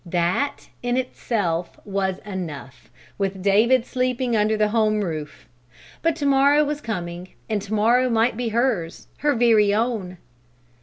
That, in itself, was enough, with David sleeping under the home roof; but to morrow was coming and to morrow might be hers her very own!